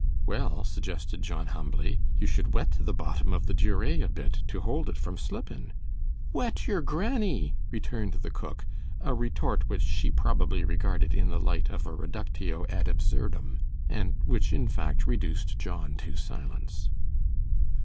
'Well,' suggested John, humbly, 'you should wet the bottom of the duree a bit, to hold it from slippin'.' 'Wet your granny!' returned the cook; a retort which she probably regarded in the light of a reductio ad absurdum, and which in fact reduced John to silence.